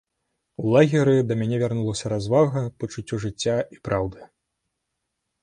У лагеры да мяне вярнулася развага, пачуццё жыцця і праўды.